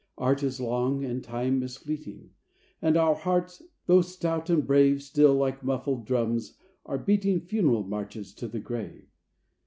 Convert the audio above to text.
Art is long, and Time is fleeting, And our hearts, though stout and brave, Still, like muffled drums, are beating Funeral marches to the grave.